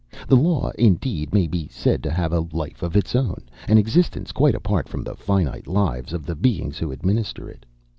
The law, indeed, may be said to have a life of its own, an existence quite apart from the finite lives of the beings who administer it.